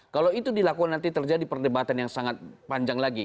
kalau itu dilakukan nanti terjadi perdebatan yang sangat panjang lagi